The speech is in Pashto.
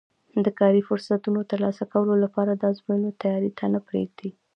د کاري فرصتونو ترلاسه کولو لپاره د ازموینو تیاري ته نه پرېږدي